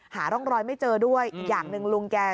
หาร่องรอยไม่เจอด้วยอีกอย่างหนึ่งลุงแก